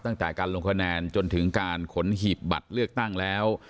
ตั้งแต่การลงคะแนนจนถึงการขนหีบบัตรเลือกตั้งแล้ว